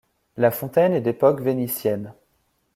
La fontaine est d'époque vénitienne.